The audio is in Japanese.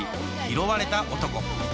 「拾われた男」。